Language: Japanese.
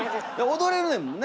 踊れるねんもんね。